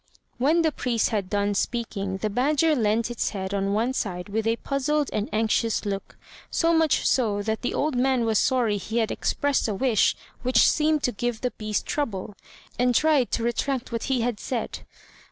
When the priest had done speaking, the badger leant its head on one side with a puzzled and anxious look, so much so that the old man was sorry he had expressed a wish which seemed to give the beast trouble, and tried to retract what he had said.